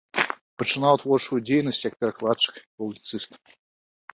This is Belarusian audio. Пачынаў творчую дзейнасць як перакладчык, публіцыст.